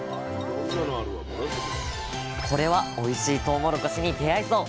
これはおいしいとうもろこしに出会えそう！